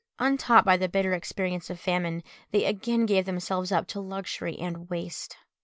Untaught by the bitter experience of famine, they again gave themselves up to luxury and waste.